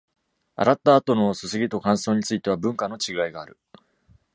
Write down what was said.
洗った後のすすぎと乾燥については、文化の違いがある。